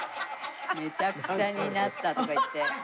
「めちゃくちゃになった」とか言って。